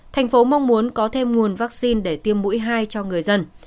thành phố mong muốn có thêm nguồn vaccine để tiêm mũi hai cho người dân